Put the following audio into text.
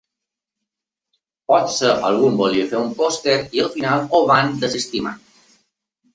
Potser algú en volia fer un pòster i al final ho van desestimar.